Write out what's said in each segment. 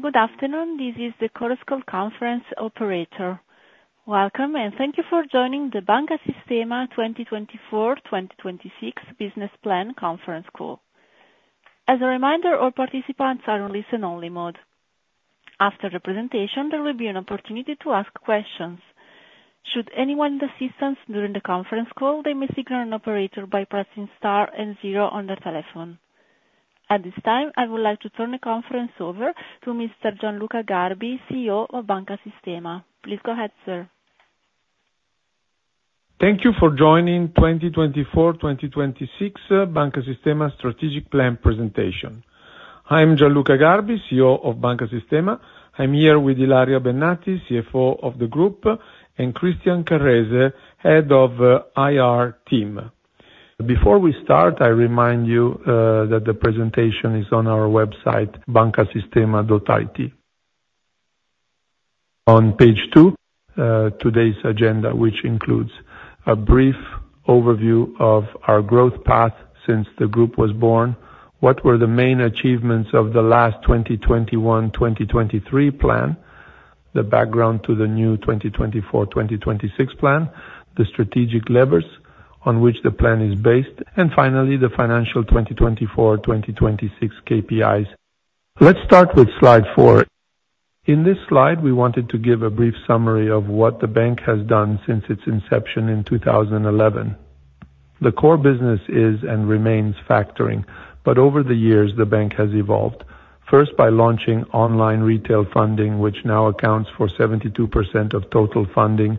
Good afternoon, this is the Chorus Call conference operator. Welcome, and thank you for joining the Banca Sistema 2024-2026 Business Plan Conference Call. As a reminder, all participants are in listen-only mode. After the presentation, there will be an opportunity to ask questions. Should anyone need assistance during the conference call, they may signal an operator by pressing star and zero on their telephone. At this time, I would like to turn the conference over to Mr. Gianluca Garbi, CEO of Banca Sistema. Please go ahead, sir. Thank you for joining 2024-2026 Banca Sistema Strategic Plan presentation. I'm Gianluca Garbi, CEO of Banca Sistema. I'm here with Ilaria Bennati, CFO of the group, and Christian Carrese, head of IR team. Before we start, I remind you that the presentation is on our website, bancasistema.it, on page 2, today's agenda, which includes a brief overview of our growth path since the group was born, what were the main achievements of the last 2021-2023 plan, the background to the new 2024-2026 plan, the strategic levers on which the plan is based, and finally the financial 2024-2026 KPIs. Let's start with slide 4. In this slide, we wanted to give a brief summary of what the bank has done since its inception in 2011. The core business is and remains factoring, but over the years the bank has evolved, first by launching online retail funding, which now accounts for 72% of total funding,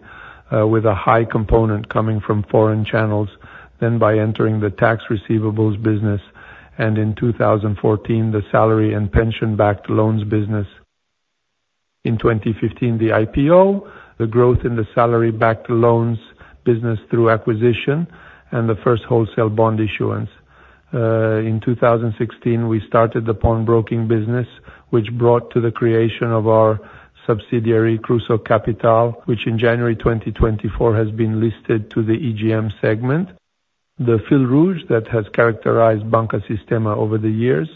with a high component coming from foreign channels, then by entering the tax receivables business, and in 2014 the salary and pension-backed loans business. In 2015 the IPO, the growth in the salary-backed loans business through acquisition, and the first wholesale bond issuance. In 2016 we started the pawn-broking business, which brought to the creation of our subsidiary Kruso Kapital, which in January 2024 has been listed to the EGM segment. The fil rouge that has characterized Banca Sistema over the years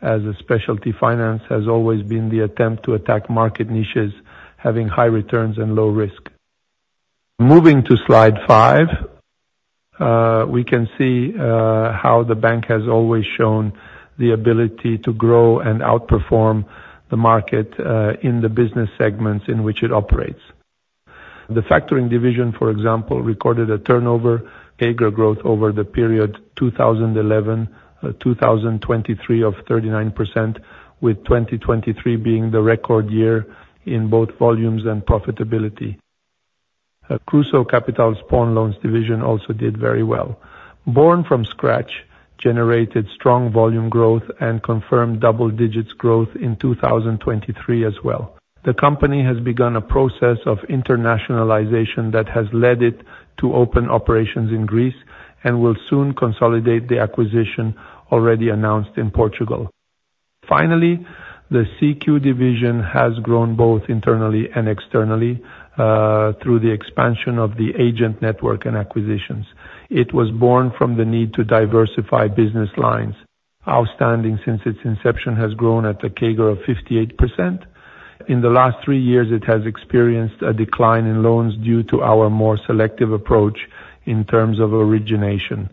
as a specialty finance has always been the attempt to attack market niches having high returns and low risk. Moving to slide 5, we can see how the bank has always shown the ability to grow and outperform the market in the business segments in which it operates. The factoring division, for example, recorded a turnover aggregate growth over the period 2011-2023 of 39%, with 2023 being the record year in both volumes and profitability. Kruso Kapital's pawn loans division also did very well. Born from scratch, generated strong volume growth and confirmed double-digit growth in 2023 as well. The company has begun a process of internationalization that has led it to open operations in Greece and will soon consolidate the acquisition already announced in Portugal. Finally, the CQ division has grown both internally and externally through the expansion of the agent network and acquisitions. It was born from the need to diversify business lines. Outstanding since its inception has grown at a CAGR of 58%. In the last three years it has experienced a decline in loans due to our more selective approach in terms of origination.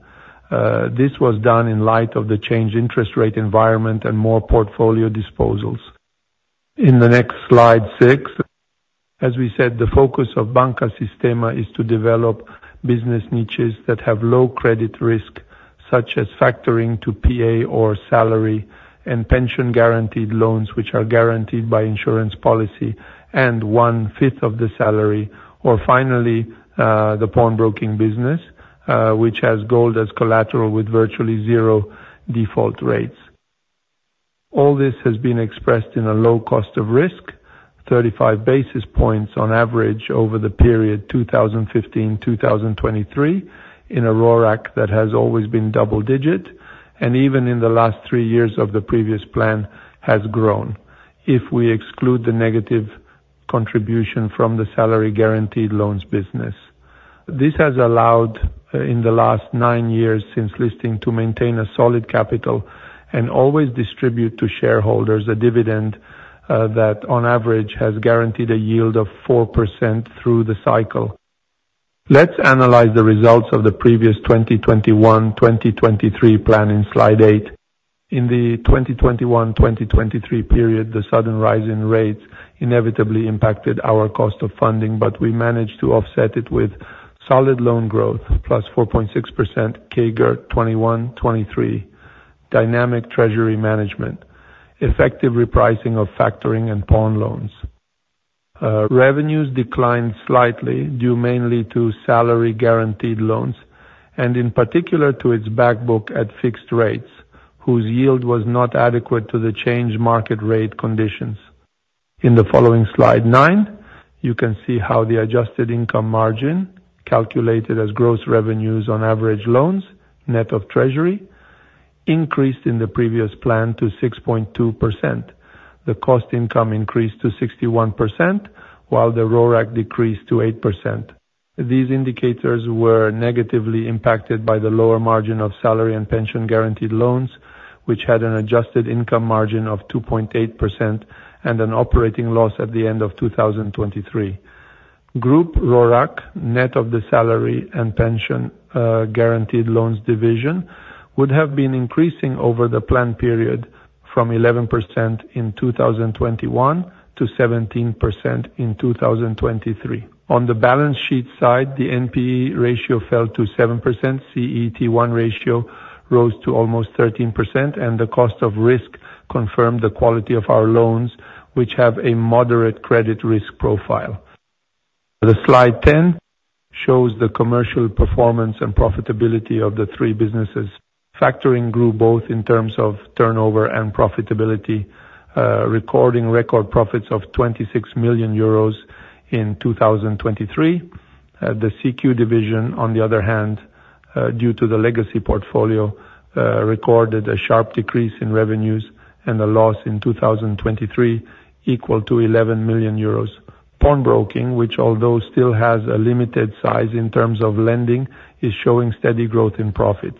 This was done in light of the changed interest rate environment and more portfolio disposals. In the next slide, six, as we said, the focus of Banca Sistema is to develop business niches that have low credit risk, such as factoring to PA or salary and pension-guaranteed loans, which are guaranteed by insurance policy and one-fifth of the salary, or finally the pawn-broking business, which has gold as collateral with virtually zero default rates. All this has been expressed in a low cost of risk, 35 basis points on average over the period 2015-2023, in a RORAC that has always been double-digit, and even in the last three years of the previous plan has grown, if we exclude the negative contribution from the salary-guaranteed loans business. This has allowed, in the last nine years since listing, to maintain a solid capital and always distribute to shareholders a dividend that, on average, has guaranteed a yield of 4% through the cycle. Let's analyze the results of the previous 2021-2023 plan in slide 8. In the 2021-2023 period, the sudden rise in rates inevitably impacted our cost of funding, but we managed to offset it with solid loan growth plus 4.6% CAGR 2021-2023, dynamic treasury management, effective repricing of factoring and pawn loans. Revenues declined slightly due mainly to salary-guaranteed loans and in particular to its backbook at fixed rates, whose yield was not adequate to the changed market rate conditions. In the following slide, 9, you can see how the adjusted income margin, calculated as gross revenues on average loans, net of treasury, increased in the previous plan to 6.2%. The cost income increased to 61% while the RORAC decreased to 8%. These indicators were negatively impacted by the lower margin of salary and pension-guaranteed loans, which had an adjusted income margin of 2.8% and an operating loss at the end of 2023. Group RORAC, net of the salary and pension-guaranteed loans division, would have been increasing over the plan period from 11% in 2021 to 17% in 2023. On the balance sheet side, the NPE ratio fell to 7%, CET1 ratio rose to almost 13%, and the cost of risk confirmed the quality of our loans, which have a moderate credit risk profile. The slide 10 shows the commercial performance and profitability of the three businesses. Factoring grew both in terms of turnover and profitability, recording record profits of 26 million euros in 2023. The CQ division, on the other hand, due to the legacy portfolio, recorded a sharp decrease in revenues and a loss in 2023 equal to 11 million euros. Pawn-broking, which, although still has a limited size in terms of lending, is showing steady growth in profits.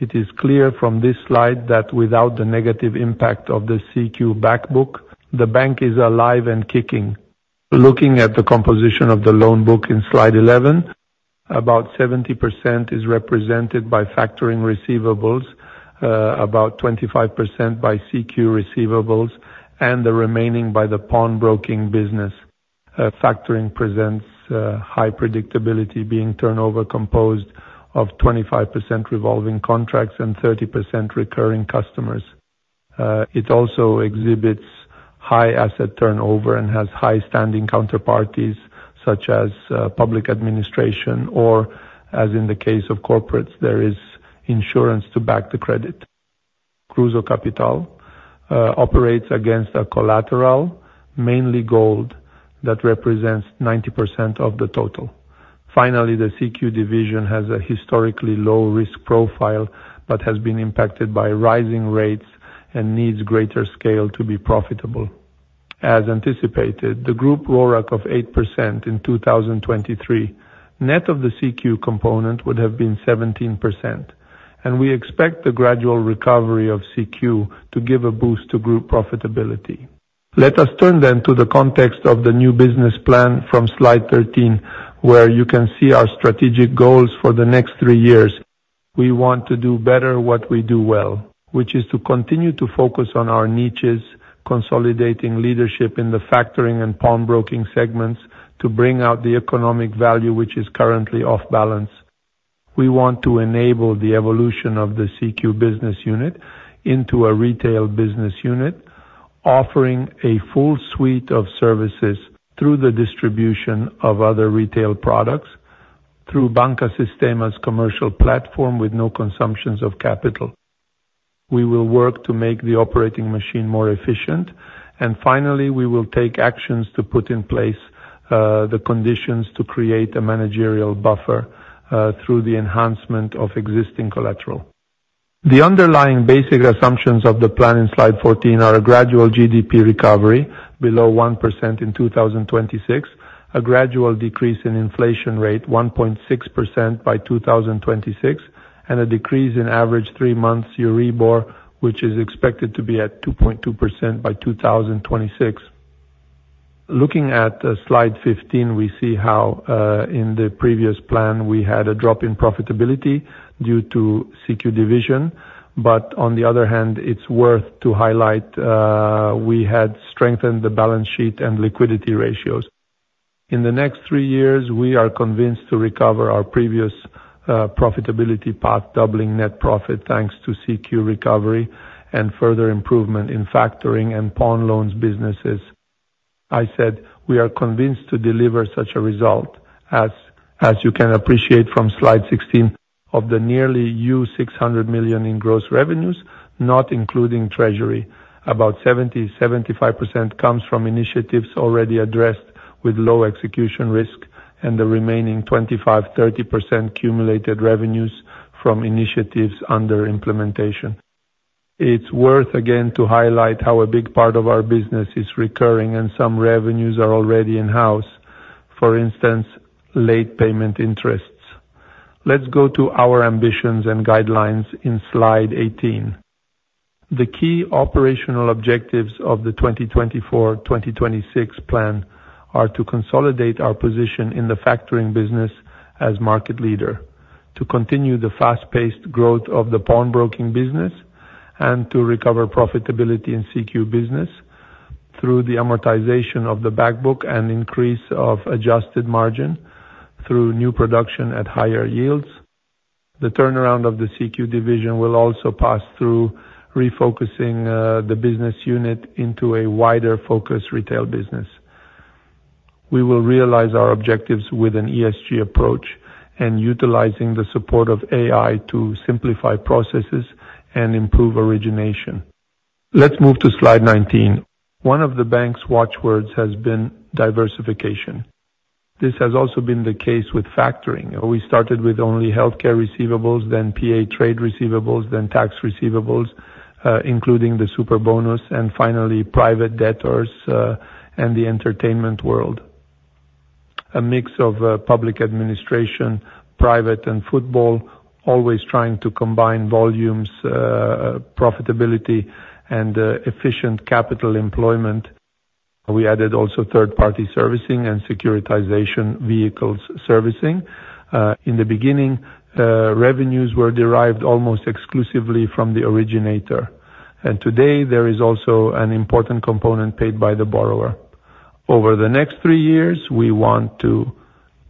It is clear from this slide that without the negative impact of the CQ backbook, the bank is alive and kicking. Looking at the composition of the loan book in slide 11, about 70% is represented by factoring receivables, about 25% by CQ receivables, and the remaining by the pawn-broking business. Factoring presents high predictability, being turnover composed of 25% revolving contracts and 30% recurring customers. It also exhibits high asset turnover and has high-standing counterparties such as public administration or, as in the case of corporates, there is insurance to back the credit. Kruso Kapital operates against a collateral, mainly gold, that represents 90% of the total. Finally, the CQ division has a historically low risk profile but has been impacted by rising rates and needs greater scale to be profitable. As anticipated, the group RORAC of 8% in 2023, net of the CQ component, would have been 17%, and we expect the gradual recovery of CQ to give a boost to group profitability. Let us turn then to the context of the new business plan from slide 13, where you can see our strategic goals for the next three years. We want to do better what we do well, which is to continue to focus on our niches, consolidating leadership in the factoring and pawn-broking segments to bring out the economic value which is currently off-balance. We want to enable the evolution of the CQ business unit into a retail business unit, offering a full suite of services through the distribution of other retail products, through Banca Sistema's commercial platform with no consumptions of capital. We will work to make the operating machine more efficient, and finally we will take actions to put in place the conditions to create a managerial buffer through the enhancement of existing collateral. The underlying basic assumptions of the plan in slide 14 are a gradual GDP recovery below 1% in 2026, a gradual decrease in inflation rate 1.6% by 2026, and a decrease in average three-month Euribor, which is expected to be at 2.2% by 2026. Looking at slide 15, we see how in the previous plan we had a drop in profitability due to CQ division, but on the other hand, it's worth to highlight we had strengthened the balance sheet and liquidity ratios. In the next three years, we are convinced to recover our previous profitability path doubling net profit thanks to CQ recovery and further improvement in factoring and pawn loans businesses. I said we are convinced to deliver such a result, as you can appreciate from slide 16, of the nearly 600 million in gross revenues, not including treasury, about 70%-75% comes from initiatives already addressed with low execution risk and the remaining 25%-30% cumulated revenues from initiatives under implementation. It's worth again to highlight how a big part of our business is recurring and some revenues are already in-house, for instance, late payment interests. Let's go to our ambitions and guidelines in slide 18. The key operational objectives of the 2024-2026 plan are to consolidate our position in the factoring business as market leader, to continue the fast-paced growth of the pawn-broking business, and to recover profitability in CQ business through the amortization of the backbook and increase of adjusted margin through new production at higher yields. The turnaround of the CQ division will also pass through refocusing the business unit into a wider-focused retail business. We will realize our objectives with an ESG approach and utilizing the support of AI to simplify processes and improve origination. Let's move to slide 19. One of the bank's watchwords has been diversification. This has also been the case with factoring. We started with only healthcare receivables, then PA trade receivables, then tax receivables, including the Superbonus, and finally private debtors and the entertainment world. A mix of public administration, private, and football, always trying to combine volumes, profitability, and efficient capital employment. We added also third-party servicing and securitization vehicles servicing. In the beginning, revenues were derived almost exclusively from the originator, and today there is also an important component paid by the borrower. Over the next three years, we want to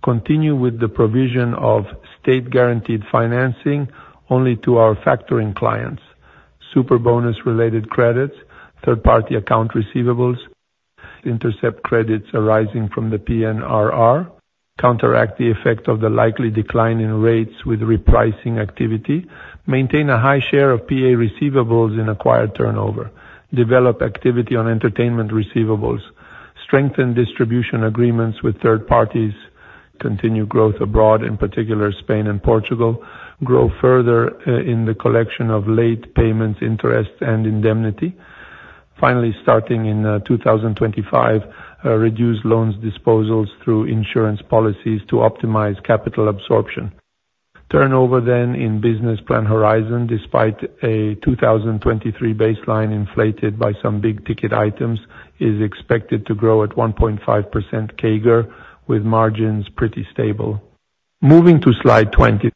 continue with the provision of state-guaranteed financing only to our factoring clients, Superbonus-related credits, third-party accounts receivable, intercept credits arising from the PNRR, counteract the effect of the likely decline in rates with repricing activity, maintain a high share of PA receivables in acquired turnover, develop activity on entertainment receivables, strengthen distribution agreements with third parties, continue growth abroad, in particular Spain and Portugal, grow further in the collection of late payment interest and indemnity, finally starting in 2025 reduce loans disposals through insurance policies to optimize capital absorption. Turnover, then, in business plan horizon, despite a 2023 baseline inflated by some big-ticket items, is expected to grow at 1.5% CAGR with margins pretty stable. Moving to slide 20.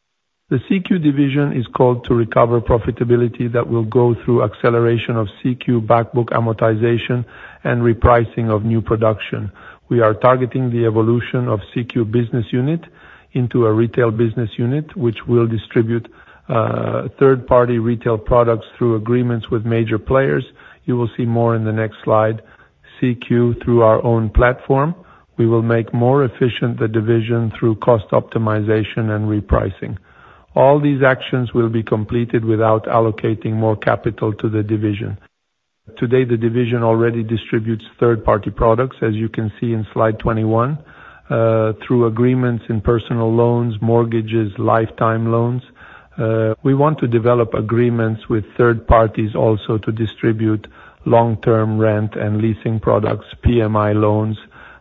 The CQ division is called to recover profitability that will go through acceleration of CQ backbook amortization and repricing of new production. We are targeting the evolution of CQ business unit into a retail business unit, which will distribute third-party retail products through agreements with major players. You will see more in the next slide. CQ, through our own platform, we will make more efficient the division through cost optimization and repricing. All these actions will be completed without allocating more capital to the division. Today the division already distributes third-party products, as you can see in slide 21, through agreements in personal loans, mortgages, lifetime loans. We want to develop agreements with third parties also to distribute long-term rent and leasing products, PMI loans,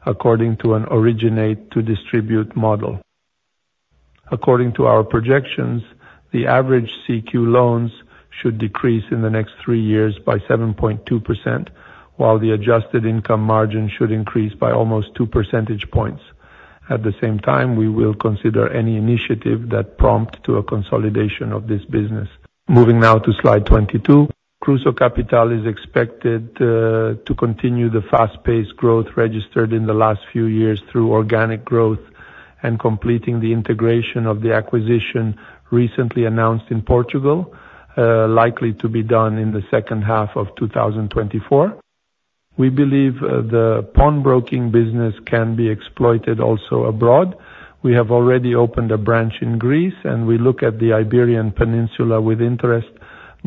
according to an originate-to-distribute model. According to our projections, the average CQ loans should decrease in the next three years by 7.2%, while the adjusted income margin should increase by almost two percentage points. At the same time, we will consider any initiative that prompt to a consolidation of this business. Moving now to slide 22. Kruso Kapital is expected to continue the fast-paced growth registered in the last few years through organic growth and completing the integration of the acquisition recently announced in Portugal, likely to be done in the second half of 2024. We believe the pawn-broking business can be exploited also abroad. We have already opened a branch in Greece, and we look at the Iberian Peninsula with interest,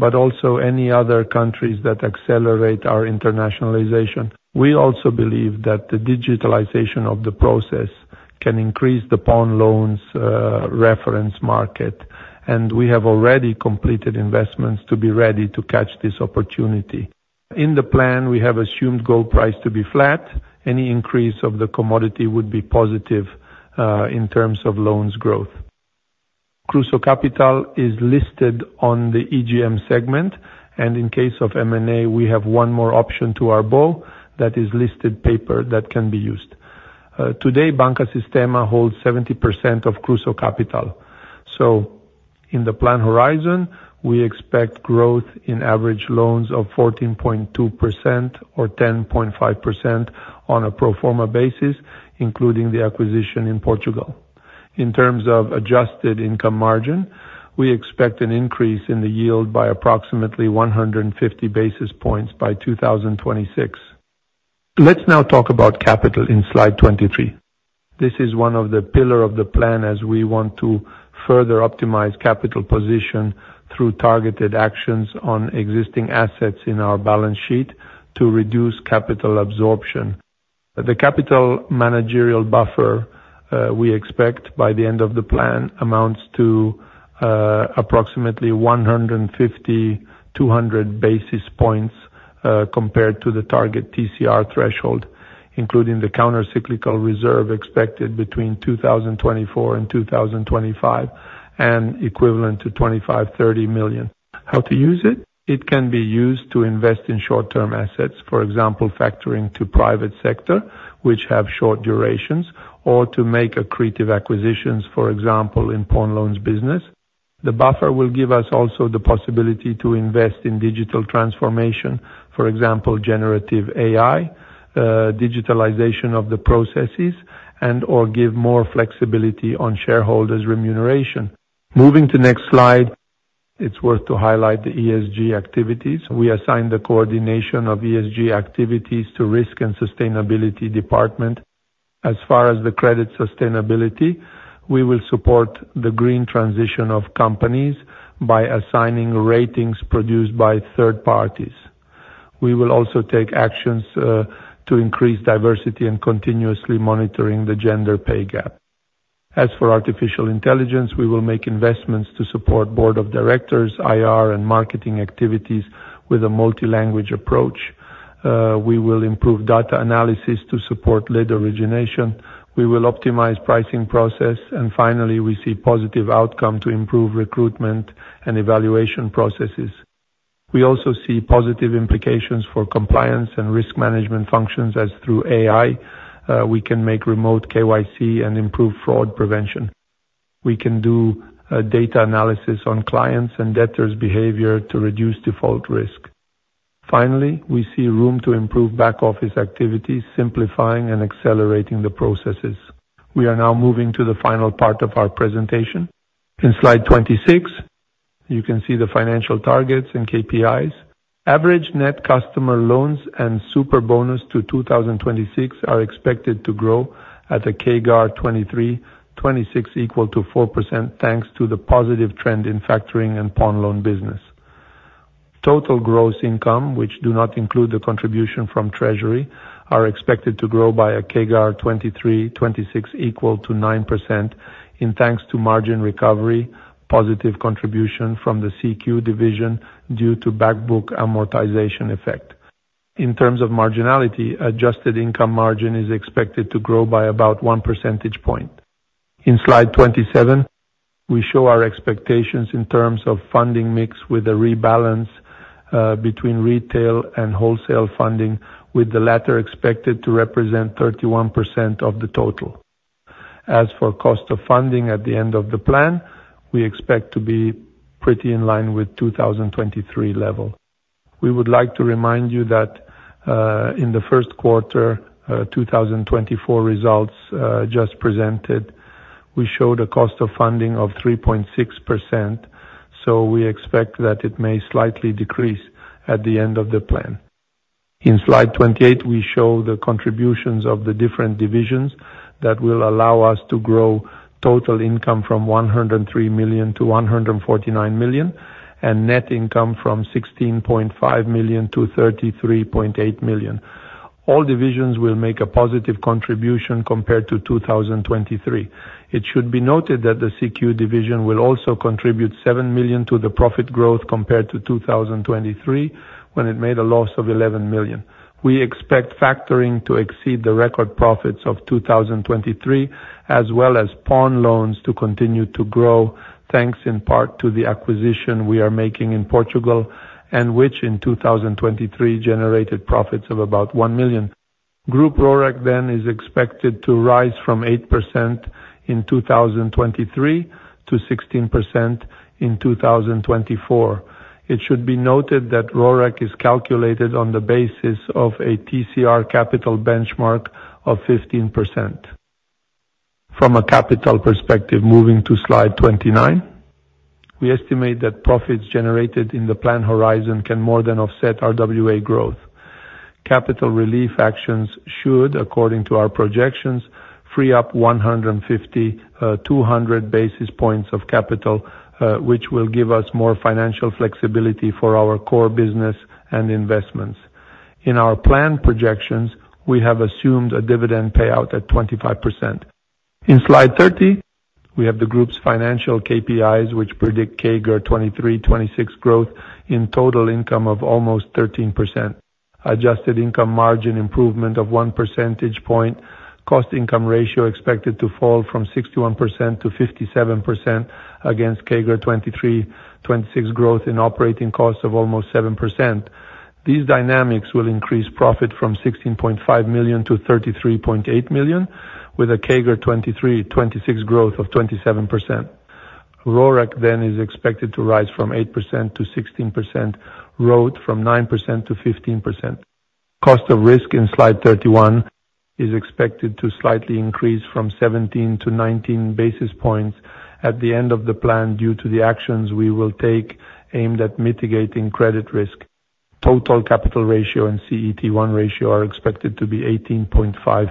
but also any other countries that accelerate our internationalization. We also believe that the digitalization of the process can increase the pawn loans reference market, and we have already completed investments to be ready to catch this opportunity. In the plan, we have assumed gold price to be flat. Any increase of the commodity would be positive in terms of loans growth. Kruso Kapital is listed on the EGM segment, and in case of M&A, we have one more option to our bow that is listed paper that can be used. Today Banca Sistema holds 70% of Kruso Kapital. So in the plan horizon, we expect growth in average loans of 14.2% or 10.5% on a pro forma basis, including the acquisition in Portugal. In terms of adjusted income margin, we expect an increase in the yield by approximately 150 basis points by 2026. Let's now talk about capital in slide 23. This is one of the pillar of the plan as we want to further optimize capital position through targeted actions on existing assets in our balance sheet to reduce capital absorption. The capital managerial buffer we expect by the end of the plan amounts to approximately 150-200 basis points compared to the target TCR threshold, including the countercyclical reserve expected between 2024 and 2025 and equivalent to 25 million-30 million. How to use it? It can be used to invest in short-term assets, for example, factoring to private sector, which have short durations, or to make accretive acquisitions, for example, in pawn loans business. The buffer will give us also the possibility to invest in digital transformation, for example, generative AI, digitalization of the processes, and/or give more flexibility on shareholders' remuneration. Moving to next slide. It's worth to highlight the ESG activities. We assign the coordination of ESG activities to risk and sustainability department. As far as the credit sustainability, we will support the green transition of companies by assigning ratings produced by third parties. We will also take actions to increase diversity and continuously monitoring the gender pay gap. As for artificial intelligence, we will make investments to support Board of Directors, IR, and marketing activities with a multilanguage approach. We will improve data analysis to support lead origination. We will optimize pricing process, and finally we see positive outcome to improve recruitment and evaluation processes. We also see positive implications for compliance and risk management functions as through AI, we can make remote KYC and improve fraud prevention. We can do data analysis on clients and debtors' behavior to reduce default risk. Finally, we see room to improve back-office activities, simplifying and accelerating the processes. We are now moving to the final part of our presentation. In slide 26, you can see the financial targets and KPIs. Average net customer loans and Superbonus to 2026 are expected to grow at a CAGR 2023-2026 equal to 4% thanks to the positive trend in factoring and pawn loan business. Total gross income, which do not include the contribution from treasury, are expected to grow by a CAGR 2023-2026 equal to 9% thanks to margin recovery, positive contribution from the CQ division due to Backbook amortization effect. In terms of marginality, adjusted income margin is expected to grow by about 1 percentage point. In slide 27, we show our expectations in terms of funding mix with a rebalance between retail and wholesale funding, with the latter expected to represent 31% of the total. As for cost of funding at the end of the plan, we expect to be pretty in line with 2023 level. We would like to remind you that in the first quarter 2024 results just presented, we showed a cost of funding of 3.6%, so we expect that it may slightly decrease at the end of the plan. In slide 28, we show the contributions of the different divisions that will allow us to grow total income from 103 million to 149 million and net income from 16.5 million to 33.8 million. All divisions will make a positive contribution compared to 2023. It should be noted that the CQ division will also contribute 7 million to the profit growth compared to 2023 when it made a loss of 11 million. We expect factoring to exceed the record profits of 2023, as well as pawn loans to continue to grow thanks in part to the acquisition we are making in Portugal and which in 2023 generated profits of about 1 million. Group RORAC then is expected to rise from 8% in 2023 to 16% in 2024. It should be noted that RORAC is calculated on the basis of a TCR capital benchmark of 15%. From a capital perspective, moving to slide 29. We estimate that profits generated in the plan horizon can more than offset RWA growth. Capital relief actions should, according to our projections, free up 150-200 basis points of capital, which will give us more financial flexibility for our core business and investments. In our plan projections, we have assumed a dividend payout at 25%. In slide 30, we have the group's financial KPIs, which predict CAGR 2023-2026 growth in total income of almost 13%, adjusted income margin improvement of one percentage point, cost/income ratio expected to fall from 61% to 57% against CAGR 2023-2026 growth in operating costs of almost 7%. These dynamics will increase profit from 16.5 million to 33.8 million with a CAGR 2023-2026 growth of 27%. RORAC then is expected to rise from 8% to 16%, ROE from 9% to 15%. Cost of risk in slide 31 is expected to slightly increase from 17 to 19 basis points at the end of the plan due to the actions we will take aimed at mitigating credit risk. Total capital ratio and CET1 ratio are expected to be 18.5%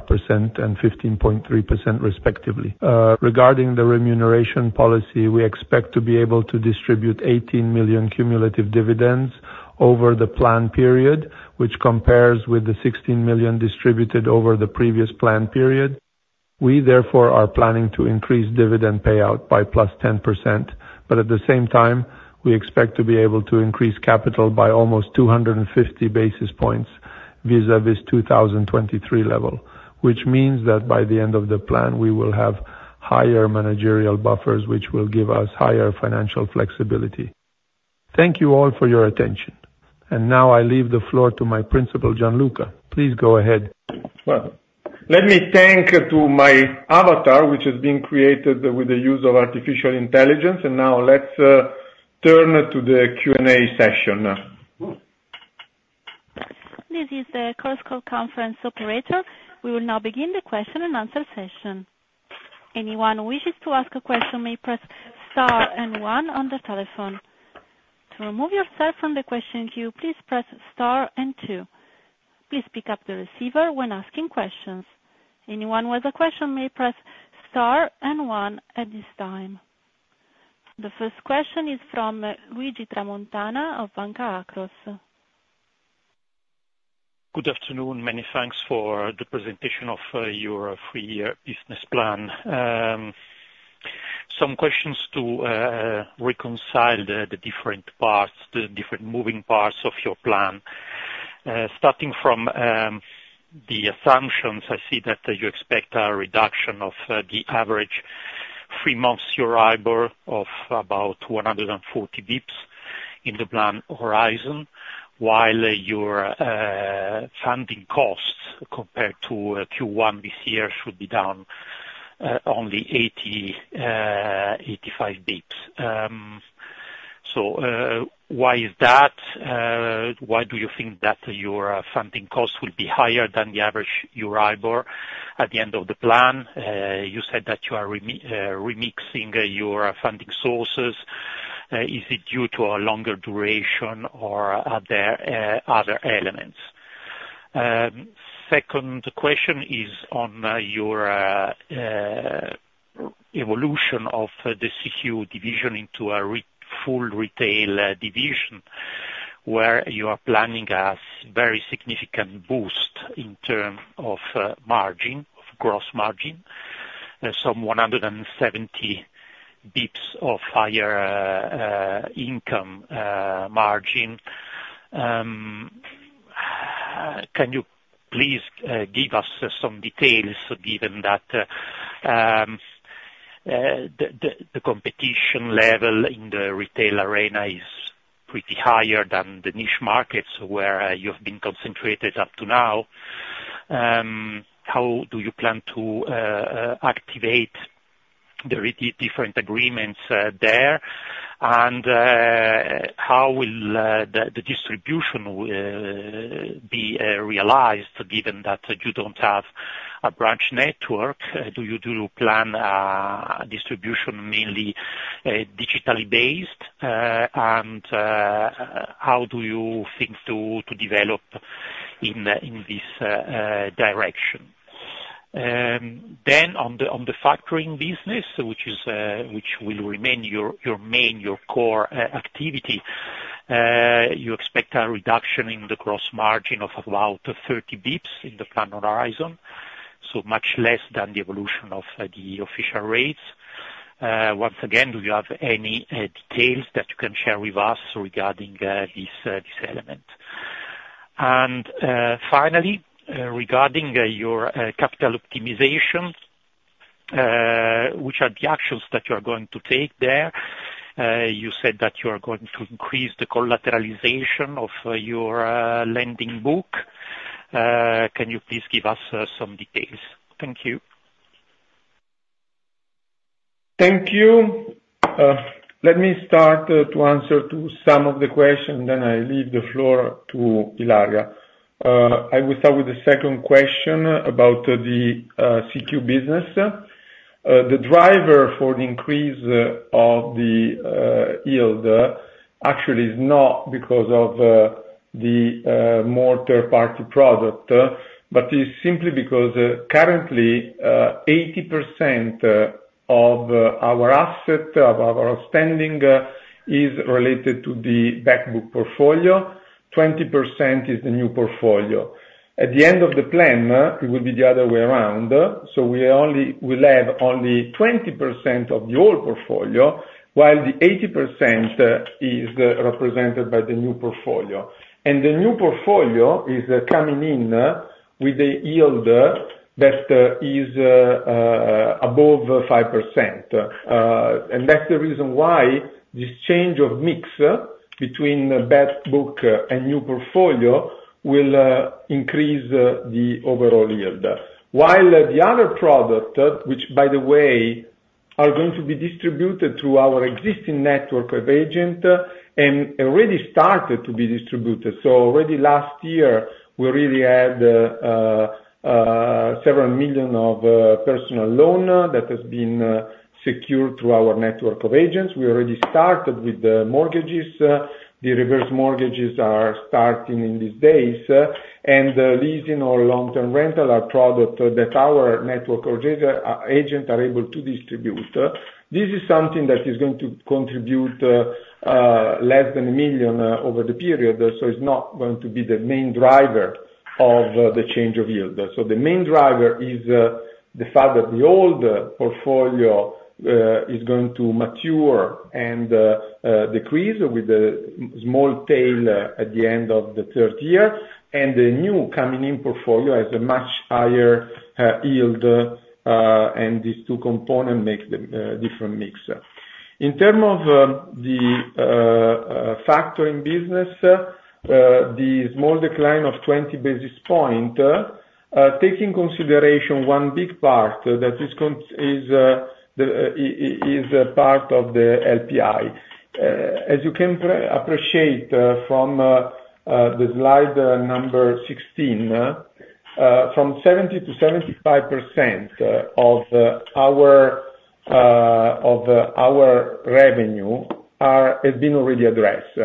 and 15.3% respectively. Regarding the remuneration policy, we expect to be able to distribute 18 million cumulative dividends over the plan period, which compares with the 16 million distributed over the previous plan period. We therefore are planning to increase dividend payout by +10%, but at the same time, we expect to be able to increase capital by almost 250 basis points vis-à-vis 2023 level, which means that by the end of the plan, we will have higher managerial buffers, which will give us higher financial flexibility. Thank you all for your attention, and now I leave the floor to my principal, Gianluca Garbi. Please go ahead. Well, let me thank my avatar, which is being created with the use of artificial intelligence, and now let's turn to the Q&A session. This is the Chorus Call Conference Operator. We will now begin the question and answer session. Anyone who wishes to ask a question may press star and one on the telephone. To remove yourself from the question queue, please press star and two. Please pick up the receiver when asking questions. Anyone with a question may press star and one at this time. The first question is from Luigi Tramontana of Banca Akros. Good afternoon. Many thanks for the presentation of your three-year business plan. Some questions to reconcile the different parts, the different moving parts of your plan. Starting from the assumptions, I see that you expect a reduction of the average three months' Euribor of about 140 basis points in the plan horizon, while your funding costs compared to Q1 this year should be down only 85 basis points. So why is that? Why do you think that your funding costs will be higher than the average Euribor at the end of the plan? You said that you are remixing your funding sources. Is it due to a longer duration or are there other elements? Second question is on your evolution of the CQ division into a full retail division, where you are planning a very significant boost in terms of margin, of gross margin, some 170 basis points of higher income margin. Can you please give us some details given that the competition level in the retail arena is pretty higher than the niche markets where you have been concentrated up to now? How do you plan to activate the different agreements there, and how will the distribution be realized given that you don't have a branch network? Do you plan distribution mainly digitally based, and how do you think to develop in this direction? Then on the factoring business, which will remain your main, your core activity, you expect a reduction in the gross margin of about 30 basis points in the plan horizon, so much less than the evolution of the official rates. Once again, do you have any details that you can share with us regarding this element? And finally, regarding your capital optimization, which are the actions that you are going to take there, you said that you are going to increase the collateralization of your lending book. Can you please give us some details? Thank you. Thank you. Let me start to answer some of the questions, then I leave the floor to Ilaria. I will start with the second question about the CQ business. The driver for the increase of the yield actually is not because of the more third-party product, but it's simply because currently, 80% of our asset, of our outstanding, is related to the backbook portfolio. 20% is the new portfolio. At the end of the plan, it will be the other way around. So we will have only 20% of the old portfolio, while the 80% is represented by the new portfolio. And the new portfolio is coming in with a yield that is above 5%. And that's the reason why this change of mix between backbook and new portfolio will increase the overall yield. While the other product, which by the way, are going to be distributed through our existing network of agents and already started to be distributed. Already last year, we really had several million EUR of personal loan that has been secured through our network of agents. We already started with the mortgages. The reverse mortgages are starting in these days. And leasing or long-term rental are products that our network agents are able to distribute. This is something that is going to contribute less than 1 million over the period, so it's not going to be the main driver of the change of yield. So the main driver is the fact that the old portfolio is going to mature and decrease with a small tail at the end of the third year. And the new coming-in portfolio has a much higher yield, and these two components make the different mix. In terms of the factoring business, the small decline of 20 basis points, taking into consideration one big part that is part of the LPI. As you can appreciate from the slide number 16, 70%-75% of our revenue has been already addressed.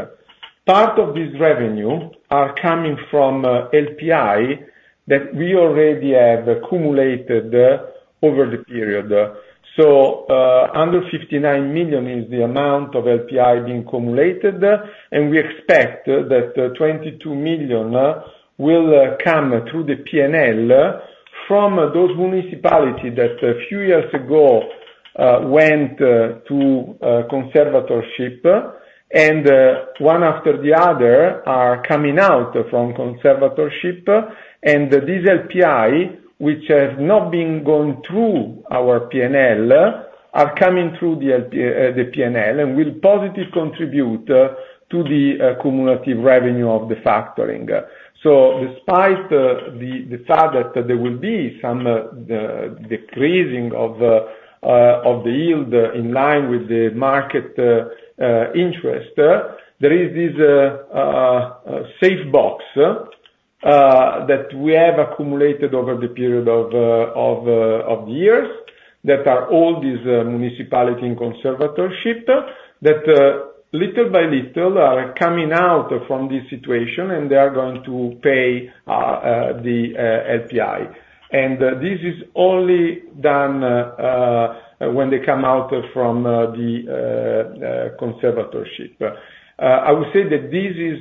Part of this revenue is coming from LPI that we already have accumulated over the period. So 59 million is the amount of LPI being accumulated, and we expect that 22 million will come through the PNL from those municipalities that a few years ago went to conservatorship and one after the other are coming out from conservatorship. And these LPI, which have not been going through our PNL, are coming through the PNL and will positively contribute to the cumulative revenue of the factoring. So despite the fact that there will be some decreasing of the yield in line with the market interest, there is this safe box that we have accumulated over the period of the years that are all these municipalities in conservatorship that little by little are coming out from this situation, and they are going to pay the LPI. And this is only done when they come out from the conservatorship. I would say that this is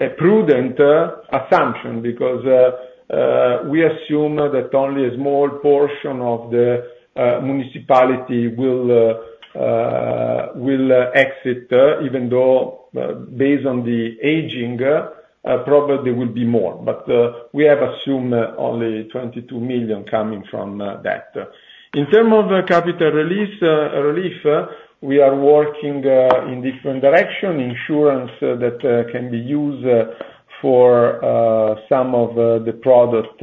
a prudent assumption because we assume that only a small portion of the municipality will exit, even though based on the aging, probably there will be more. But we have assumed only 22 million coming from that. In terms of capital relief, we are working in different directions, insurance that can be used for some of the product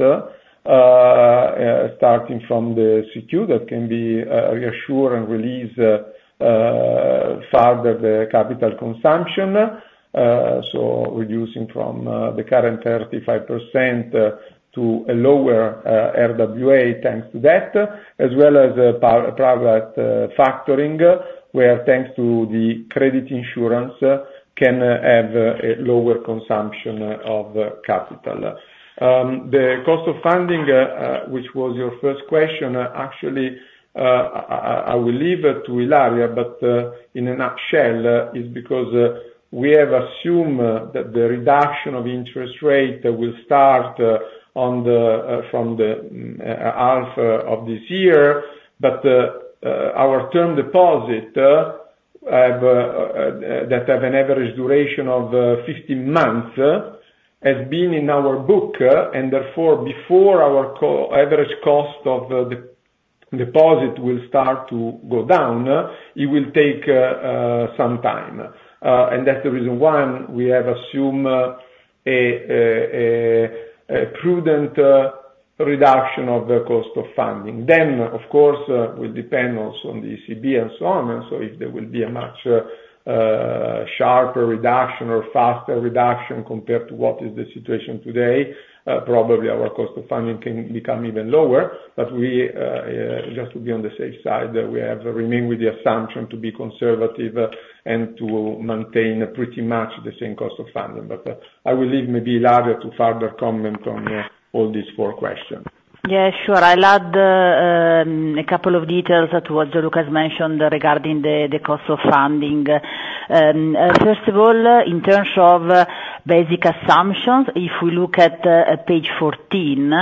starting from the CQ that can be reassured and release further the capital consumption, so reducing from the current 35% to a lower RWA thanks to that, as well as private factoring where, thanks to the credit insurance, can have a lower consumption of capital. The cost of funding, which was your first question, actually, I will leave it to Ilaria, but in a nutshell, it's because we have assumed that the reduction of interest rate will start from the half of this year. But our term deposit that has an average duration of 15 months has been in our book, and therefore, before our average cost of the deposit will start to go down, it will take some time. That's the reason why we have assumed a prudent reduction of the cost of funding. Then, of course, it will depend also on the ECB and so on. So if there will be a much sharper reduction or faster reduction compared to what is the situation today, probably our cost of funding can become even lower. But just to be on the safe side, we remain with the assumption to be conservative and to maintain pretty much the same cost of funding. But I will leave maybe Ilaria to further comment on all these four questions. Yeah, sure. I'll add a couple of details to what Gianluca has mentioned regarding the cost of funding. First of all, in terms of basic assumptions, if we look at page 14,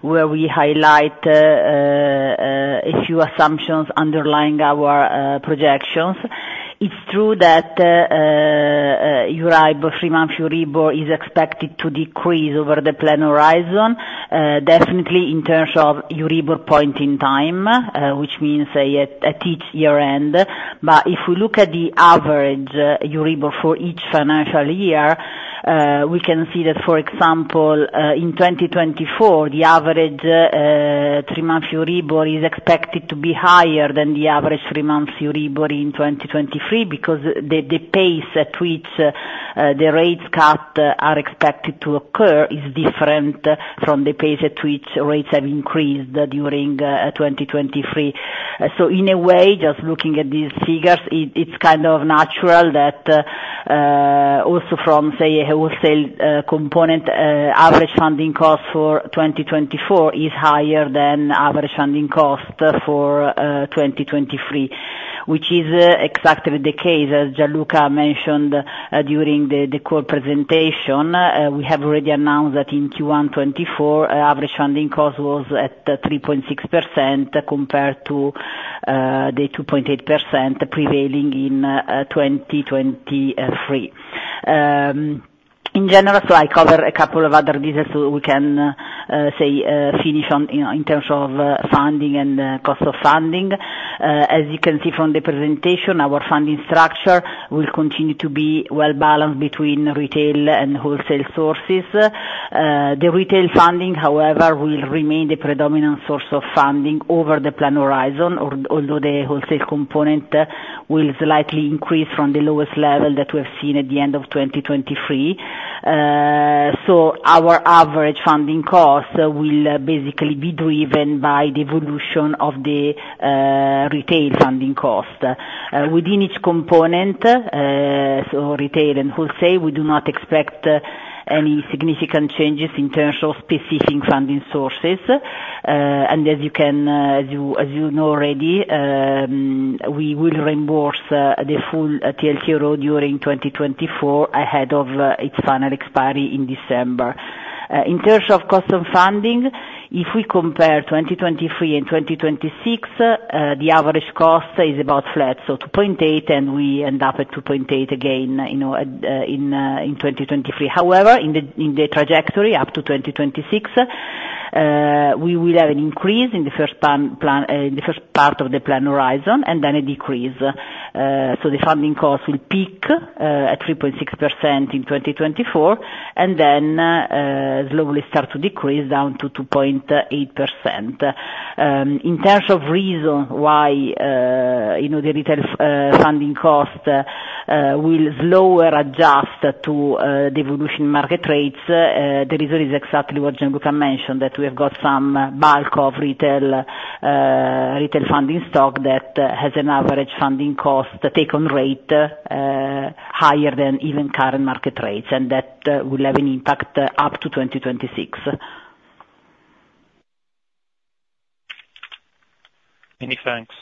where we highlight a few assumptions underlying our projections, it's true that your IBOR, three-month Euribor, is expected to decrease over the plan horizon, definitely in terms of Euribor point in time, which means at each year-end. But if we look at the average Euribor for each financial year, we can see that, for example, in 2024, the average three-month Euribor is expected to be higher than the average three-month Euribor in 2023 because the pace at which the rates cut are expected to occur is different from the pace at which rates have increased during 2023. So in a way, just looking at these figures, it's kind of natural that also from, say, a wholesale component, average funding cost for 2024 is higher than average funding cost for 2023, which is exactly the case. As Gianluca mentioned during the core presentation, we have already announced that in Q1 2024, average funding cost was at 3.6% compared to the 2.8% prevailing in 2023. In general, so I cover a couple of other details so we can, say, finish in terms of funding and cost of funding. As you can see from the presentation, our funding structure will continue to be well-balanced between retail and wholesale sources. The retail funding, however, will remain the predominant source of funding over the plan horizon, although the wholesale component will slightly increase from the lowest level that we have seen at the end of 2023. So our average funding cost will basically be driven by the evolution of the retail funding cost. Within each component, so retail and wholesale, we do not expect any significant changes in terms of specific funding sources. As you know already, we will reimburse the full TLTRO during 2024 ahead of its final expiry in December. In terms of cost of funding, if we compare 2023 and 2026, the average cost is about flat, so 2.8%, and we end up at 2.8% again in 2023. However, in the trajectory up to 2026, we will have an increase in the first part of the plan horizon and then a decrease. The funding cost will peak at 3.6% in 2024 and then slowly start to decrease down to 2.8%. In terms of the reason why the retail funding cost will slowly adjust to the evolution of market rates, the reason is exactly what Gianluca mentioned, that we have got some bulk of retail funding stock that has an average funding cost take-home rate higher than even current market rates, and that will have an impact up to 2026. Many thanks.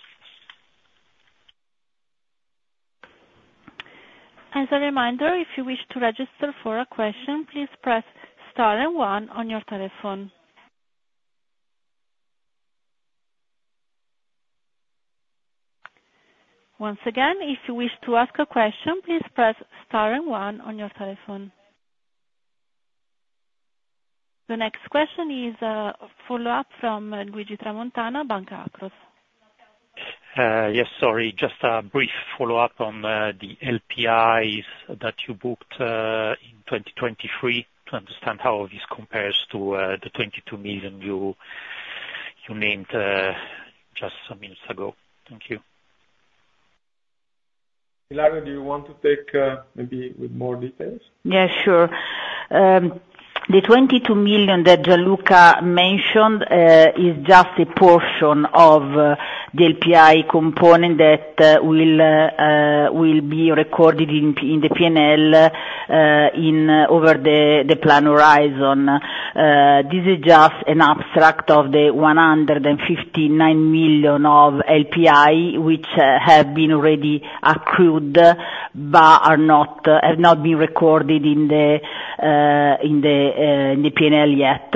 As a reminder, if you wish to register for a question, please press star and one on your telephone. Once again, if you wish to ask a question, please press star and one on your telephone. The next question is a follow-up from Luigi Tramontana, Banca Akros. Yes, sorry. Just a brief follow-up on the LPIs that you booked in 2023 to understand how this compares to the 22 million you named just some minutes ago. Thank you. Ilaria, do you want to take maybe with more details? Yeah, sure. The 22 million that Gianluca mentioned is just a portion of the LPI component that will be recorded in the PNL over the plan horizon. This is just an abstract of the 159 million of LPI which have been already accrued but have not been recorded in the PNL yet.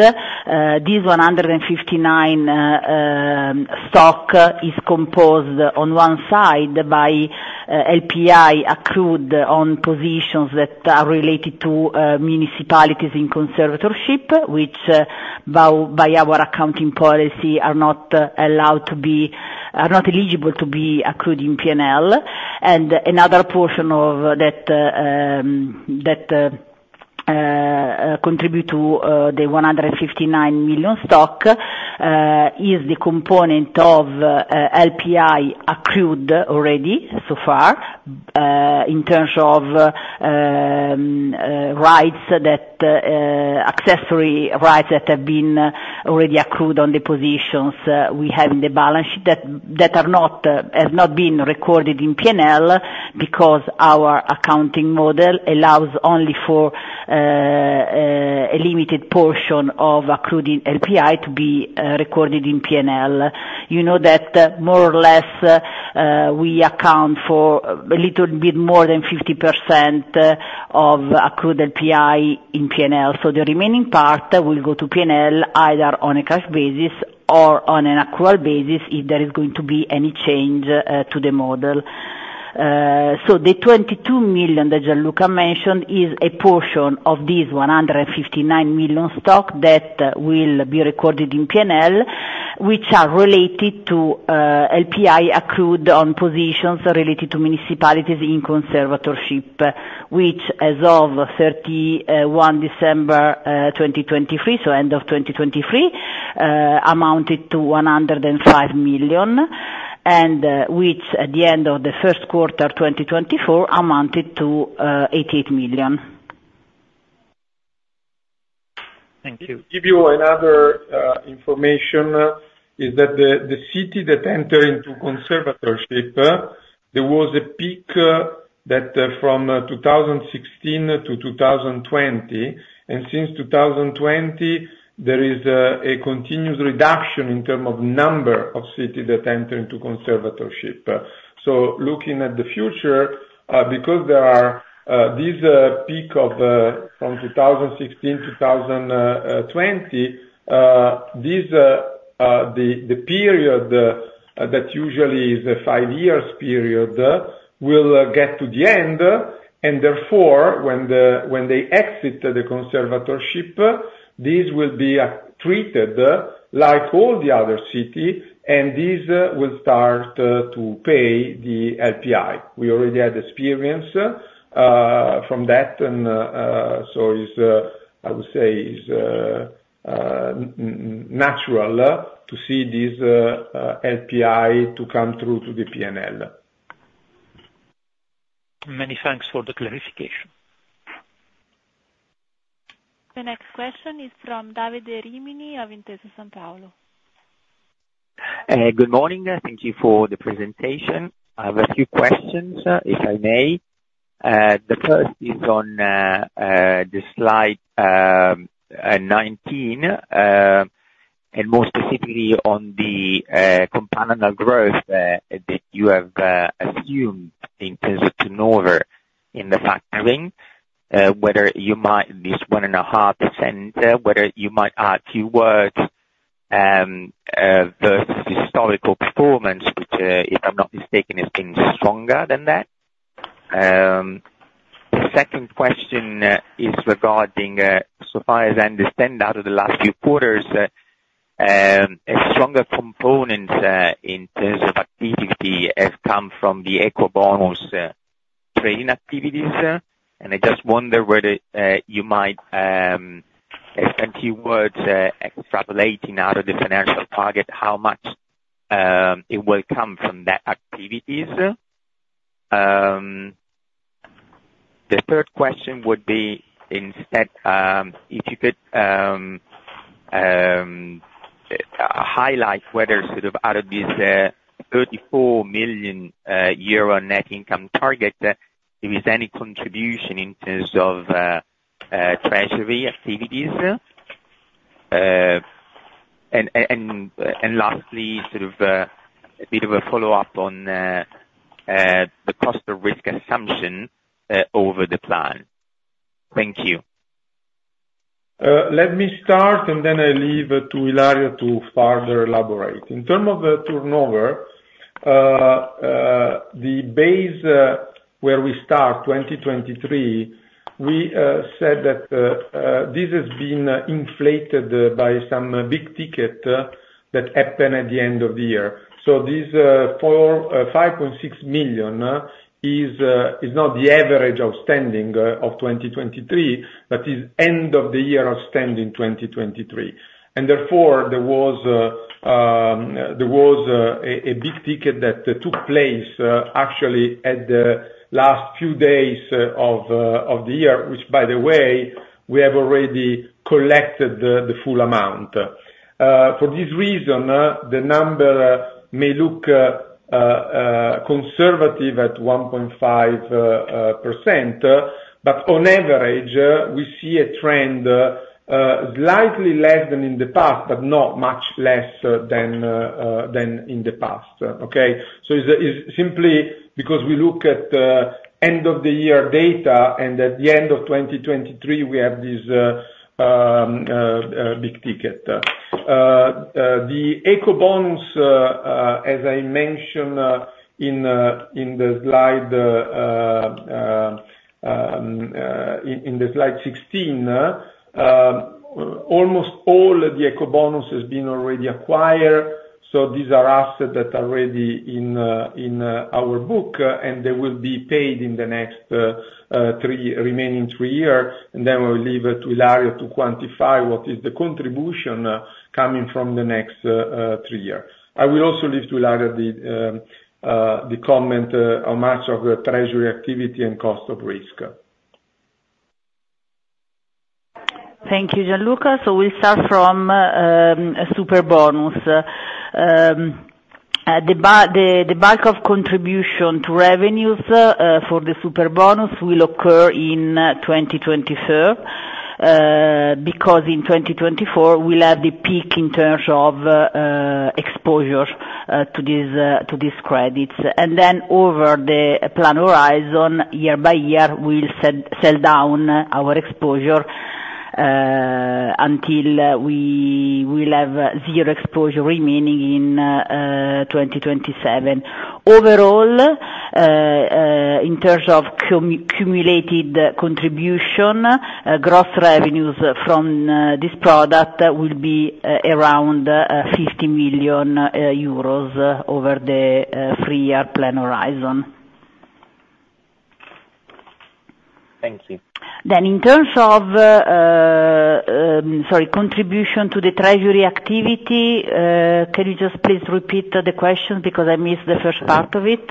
This 159 million stock is composed on one side by LPI accrued on positions that are related to municipalities in conservatorship, which by our accounting policy are not eligible to be accrued in PNL. Another portion of that contribute to the 159 million stock is the component of LPI accrued already so far in terms of accessory rights that have been already accrued on the positions we have in the balance sheet that have not been recorded in PNL because our accounting model allows only for a limited portion of accrued LPI to be recorded in PNL. You know that more or less we account for a little bit more than 50% of accrued LPI in PNL. The remaining part will go to PNL either on a cash basis or on an accrual basis if there is going to be any change to the model. So the 22 million that Gianluca mentioned is a portion of this 159 million stock that will be recorded in PNL, which are related to LPI accrued on positions related to municipalities in conservatorship, which as of 31 December 2023, so end of 2023, amounted to 105 million, and which at the end of the first quarter 2024 amounted to EUR 88 million. Thank you. To give you another information, is that the city that entered into conservatorship, there was a peak from 2016 to 2020. And since 2020, there is a continuous reduction in terms of number of cities that enter into conservatorship. So looking at the future, because there are this peak from 2016 to 2020, the period that usually is a five-year period will get to the end. Therefore, when they exit the conservatorship, these will be treated like all the other cities, and these will start to pay the LPI. We already had experience from that, and so I would say it's natural to see this LPI to come through to the P&L. Many thanks for the clarification. The next question is from Davide Rimini of Intesa Sanpaolo. Good morning. Thank you for the presentation. I have a few questions, if I may. The first is on the slide 19 and more specifically on the CAGR that you have assumed in terms of turnover in the factoring, whether you might this 1.5%, whether you might add few words versus historical performance, which, if I'm not mistaken, has been stronger than that. The second question is regarding, so far as I understand, out of the last few quarters, a stronger component in terms of activity has come from the Ecobonus trading activities. And I just wonder whether you might add a few words extrapolating out of the financial target how much it will come from that activities. The third question would be instead, if you could highlight whether sort of out of this 34 million euro net income target, there is any contribution in terms of treasury activities. And lastly, sort of a bit of a follow-up on the cost of risk assumption over the plan. Thank you. Let me start, and then I leave to Ilaria to further elaborate. In terms of the turnover, the base where we start 2023, we said that this has been inflated by some big ticket that happened at the end of the year. So this 5.6 million is not the average outstanding of 2023, but is end-of-the-year outstanding 2023. And therefore, there was a big ticket that took place actually at the last few days of the year, which, by the way, we have already collected the full amount. For this reason, the number may look conservative at 1.5%, but on average, we see a trend slightly less than in the past, but not much less than in the past, okay? So it's simply because we look at end-of-the-year data, and at the end of 2023, we have this big ticket. The Ecobonus, as I mentioned in the slide 16, almost all the Ecobonus has been already acquired. So these are assets that are already in our book, and they will be paid in the next remaining three years. Then I will leave it to Ilaria to quantify what is the contribution coming from the next three years. I will also leave to Ilaria the comment on much of the treasury activity and cost of risk. Thank you, Gianluca. So we'll start from Superbonus. The bulk of contribution to revenues for the Superbonus will occur in 2023 because in 2024, we'll have the peak in terms of exposure to these credits. And then over the plan horizon, year by year, we'll sell down our exposure until we'll have zero exposure remaining in 2027. Overall, in terms of cumulated contribution, gross revenues from this product will be around 50 million euros over the three-year plan horizon. Thank you. Then in terms of, sorry, contribution to the treasury activity, can you just please repeat the question because I missed the first part of it?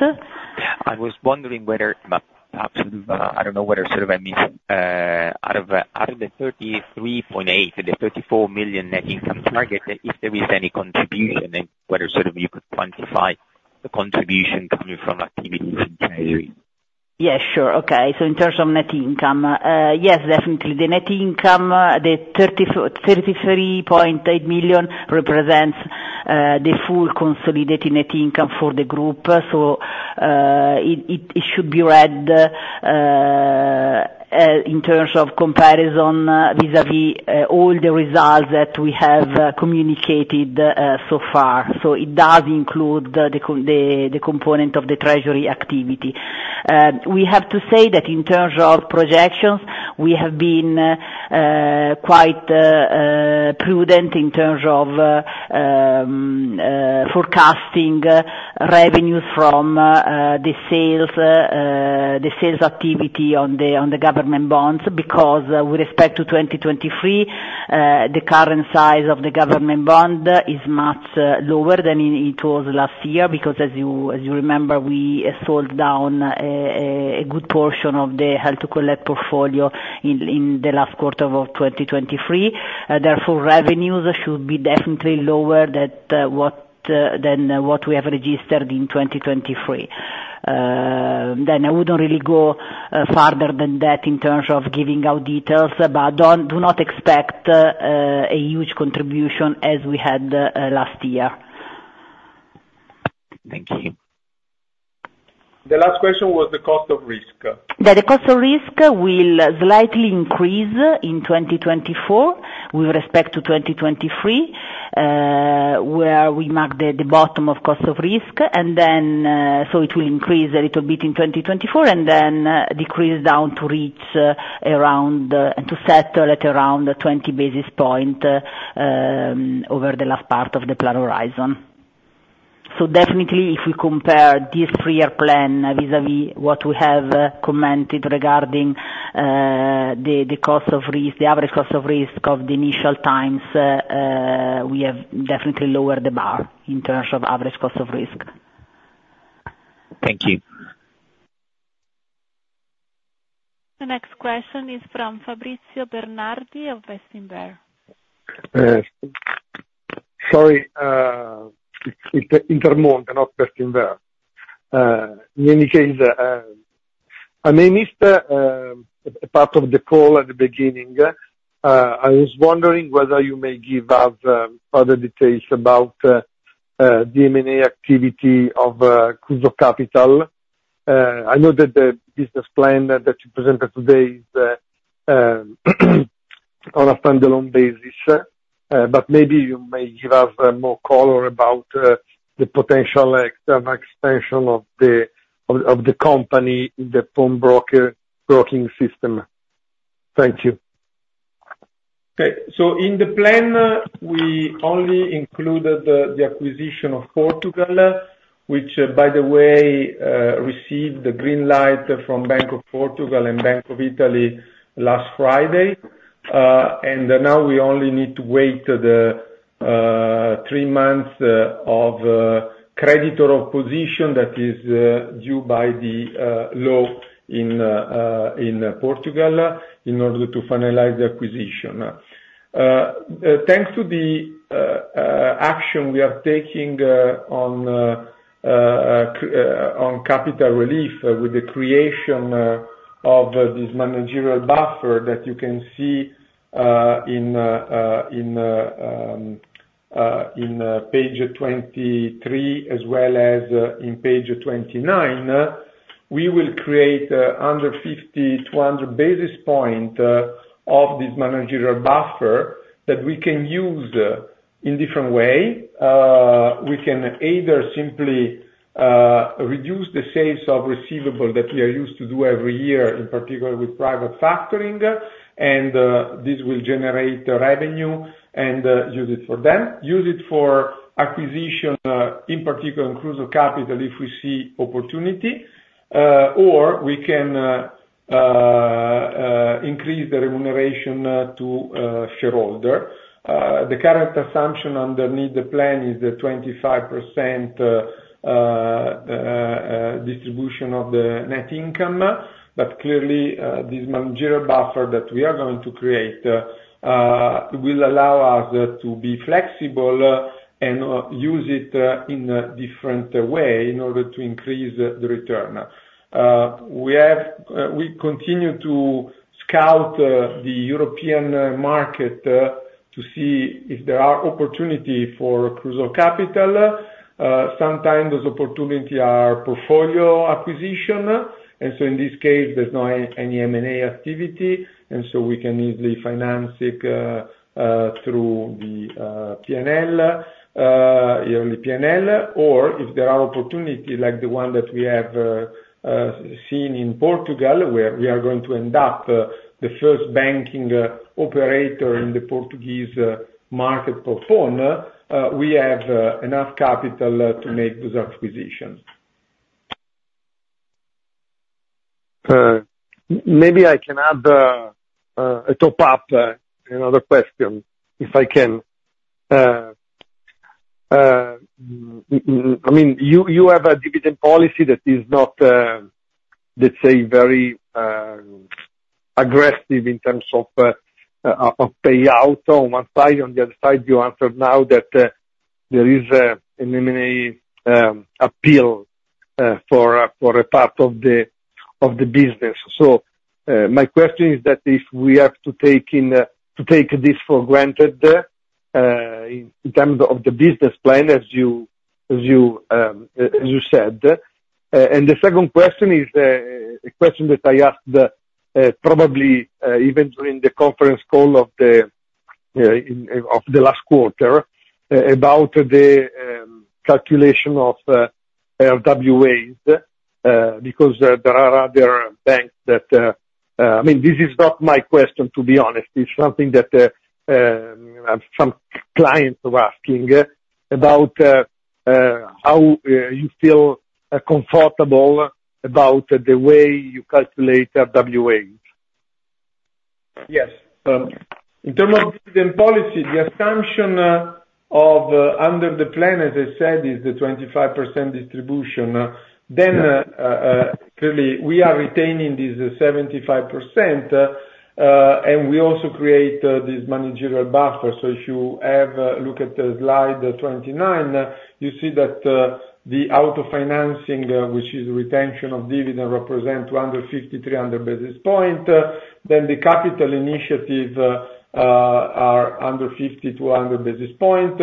I was wondering whether perhaps sort of I don't know whether sort of I missed. Out of the 33.8 million, the 34 million net income target, if there is any contribution, whether sort of you could quantify the contribution coming from activities in treasury. Yeah, sure. Okay. So in terms of net income, yes, definitely. The net income, the 33.8 million represents the full consolidated net income for the group. So it should be read in terms of comparison vis-à-vis all the results that we have communicated so far. So it does include the component of the treasury activity. We have to say that in terms of projections, we have been quite prudent in terms of forecasting revenues from the sales activity on the government bonds because with respect to 2023, the current size of the government bond is much lower than it was last year because, as you remember, we sold down a good portion of the held-to-collect portfolio in the last quarter of 2023. Therefore, revenues should be definitely lower than what we have registered in 2023. Then I wouldn't really go farther than that in terms of giving out details, but do not expect a huge contribution as we had last year. Thank you. The last question was the cost of risk. Yeah, the cost of risk will slightly increase in 2024 with respect to 2023 where we marked the bottom of cost of risk. Then it will increase a little bit in 2024 and then decrease down to reach around and to settle at around 20 basis points over the last part of the plan horizon. So definitely, if we compare this three-year plan vis-à-vis what we have commented regarding the average cost of risk of the initial times, we have definitely lowered the bar in terms of average cost of risk. Thank you. The next question is from Fabrizio Bernardi of Bestinver. Sorry. It's Intermonte, not Bestinver. In any case, I may missed a part of the call at the beginning. I was wondering whether you may give us other details about the M&A activity of Kruso Kapital. I know that the business plan that you presented today is on a standalone basis, but maybe you may give us more color about the potential extension of the company in the pawn brokering system. Thank you. Okay. So in the plan, we only included the acquisition in Portugal, which, by the way, received the green light from Bank of Portugal and Bank of Italy last Friday. Now we only need to wait the three months of creditor opposition that is due by the law in Portugal in order to finalize the acquisition. Thanks to the action we are taking on capital relief with the creation of this managerial buffer that you can see in page 23 as well as in page 29, we will create over 50-200 basis points of this managerial buffer that we can use in different ways. We can either simply reduce the sales of receivables that we are used to do every year, in particular with private factoring, and this will generate revenue and use it for them, use it for acquisition, in particular in Kruso Kapital if we see opportunity, or we can increase the remuneration to shareholders. The current assumption underneath the plan is the 25% distribution of the net income. But clearly, this managerial buffer that we are going to create will allow us to be flexible and use it in a different way in order to increase the return. We continue to scout the European market to see if there are opportunities for Kruso Kapital. Sometimes those opportunities are portfolio acquisition. And so in this case, there's no any M&A activity. And so we can easily finance it through the yearly P&L. Or if there are opportunities like the one that we have seen in Portugal where we are going to end up the first banking operator in the Portuguese market for pawn, we have enough capital to make those acquisitions. Maybe I can add a top-up in other questions, if I can. I mean, you have a dividend policy that is not, let's say, very aggressive in terms of payout on one side. On the other side, you answered now that there is an M&A appeal for a part of the business. So my question is that if we have to take this for granted in terms of the business plan, as you said. The second question is a question that I asked probably even during the conference call of the last quarter about the calculation of RWAs because there are other banks that I mean, this is not my question, to be honest. It's something that some clients were asking about how you feel comfortable about the way you calculate RWAs. Yes. In terms of dividend policy, the assumption under the plan, as I said, is the 25% distribution. Then clearly, we are retaining this 75%, and we also create this managerial buffer. So if you look at slide 29, you see that the autofinancing, which is retention of dividend, represents 250-300 basis points. Then the capital initiatives are under 50-200 basis points.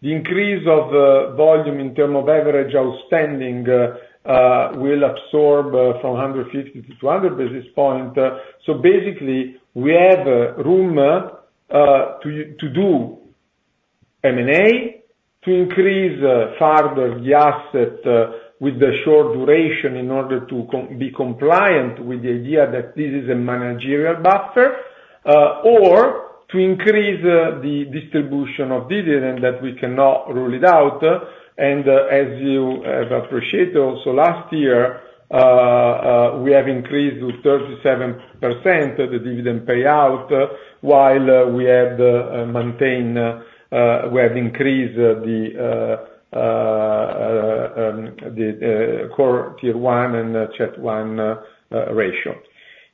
The increase of volume in terms of average outstanding will absorb from 150-200 basis points. So basically, we have room to do M&A, to increase further the asset with the short duration in order to be compliant with the idea that this is a managerial buffer, or to increase the distribution of dividends that we cannot rule it out. And as you have appreciated also last year, we have increased to 37% the dividend payout while we have maintained we have increased the CET1 ratio.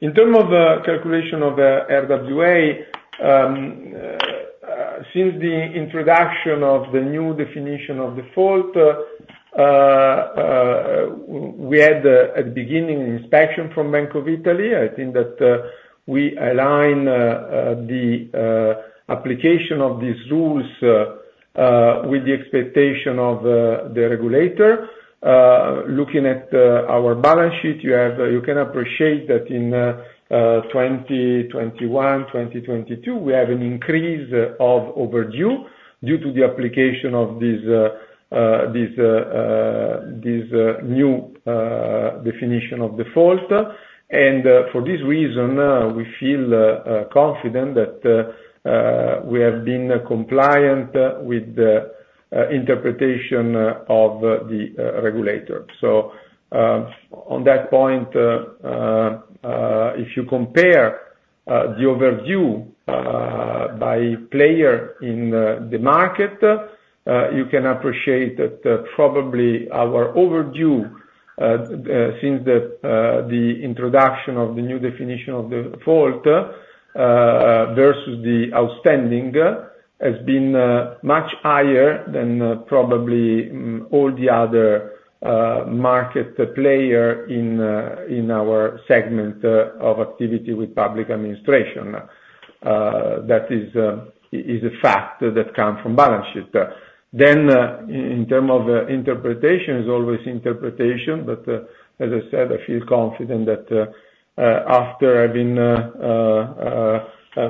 In terms of calculation of RWA, since the introduction of the new definition of default, we had, at the beginning, inspection from Bank of Italy. I think that we align the application of these rules with the expectation of the regulator. Looking at our balance sheet, you can appreciate that in 2021, 2022, we have an increase of overdue due to the application of this new definition of default. For this reason, we feel confident that we have been compliant with the interpretation of the regulator. On that point, if you compare the overdue by player in the market, you can appreciate that probably our overdue since the introduction of the new Definition of Default versus the outstanding has been much higher than probably all the other market players in our segment of activity with Public Administration. That is a fact that comes from balance sheet. In terms of interpretation, it's always interpretation. But as I said, I feel confident that after having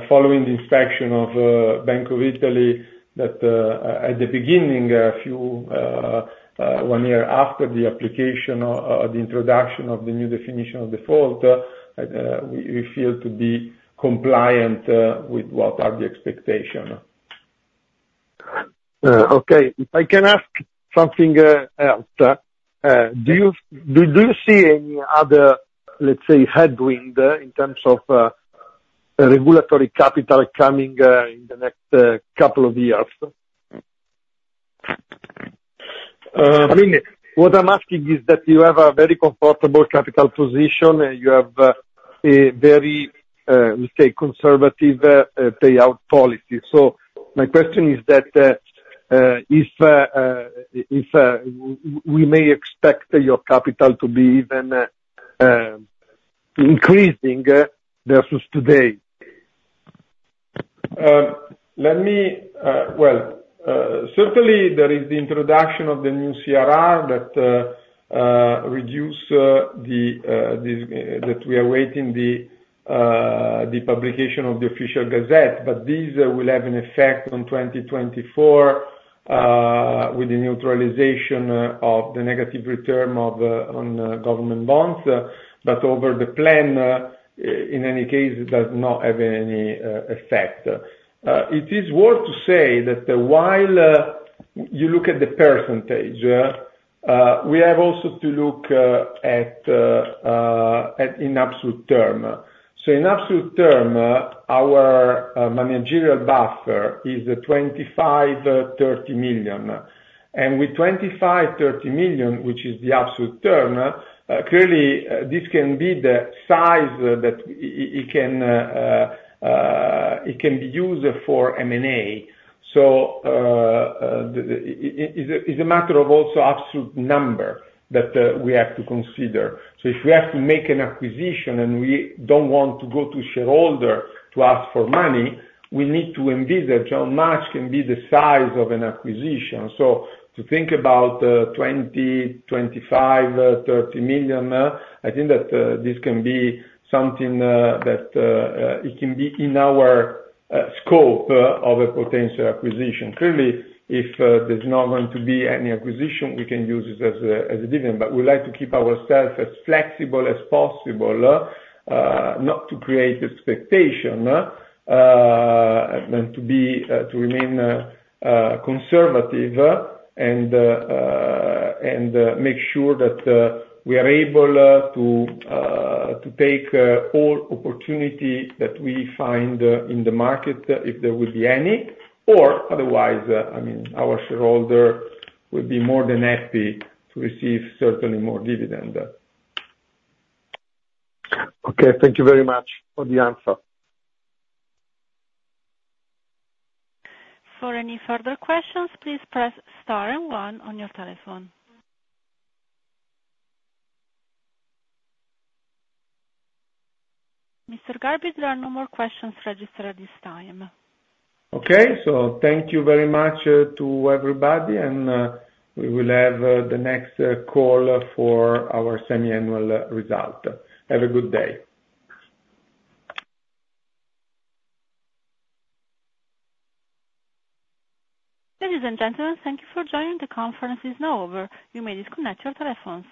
followed the inspection of Bank of Italy, that at the beginning, one year after the application or the introduction of the new Definition of Default, we feel to be compliant with what are the expectations. Okay. If I can ask something else, do you see any other, let's say, headwind in terms of regulatory capital coming in the next couple of years? I mean, what I'm asking is that you have a very comfortable capital position, and you have a very, let's say, conservative payout policy. So my question is that if we may expect your capital to be even increasing versus today. Well, certainly, there is the introduction of the new CRR that reduces the that we are waiting the publication of the Official Gazette. But this will have an effect on 2024 with the neutralization of the negative return on government bonds. But over the plan, in any case, it does not have any effect. It is worth to say that while you look at the percentage, we have also to look at in absolute term. In absolute term, our managerial buffer is 25 million-30 million. With 25 million-30 million, which is the absolute term, clearly, this can be the size that it can be used for M&A. It's a matter of also absolute number that we have to consider. If we have to make an acquisition and we don't want to go to shareholders to ask for money, we need to envisage how much can be the size of an acquisition. To think about 20 million, 25 million, 30 million, I think that this can be something that it can be in our scope of a potential acquisition. Clearly, if there's not going to be any acquisition, we can use it as a dividend. But we like to keep ourselves as flexible as possible, not to create expectation, and to remain conservative and make sure that we are able to take all opportunities that we find in the market if there would be any. Or otherwise, I mean, our shareholders would be more than happy to receive certainly more dividend. Okay. Thank you very much for the answer. For any further questions, please press star and one on your telephone. Mr. Garbi, there are no more questions registered at this time. Okay. So thank you very much to everybody. We will have the next call for our semiannual results. Have a good day. Ladies and gentlemen, thank you for joining. The conference is now over. You may disconnect your telephones.